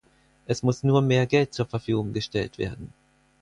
Es muss nur mehr Geld zur Verfügung gestellt werden.